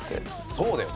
そうだよ。